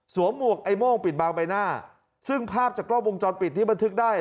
หมวกไอ้โม่งปิดบางใบหน้าซึ่งภาพจากกล้องวงจรปิดที่บันทึกได้